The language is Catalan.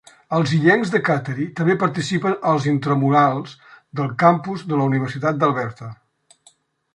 Els illencs de Kateri també participen als intramurals del campus de la Universitat d'Alberta.